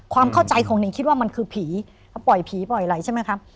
ความเข้าใจของนิ่งคิดว่ามันคือผีปล่อยผีปล่อยอะไรใช่ไหมครับ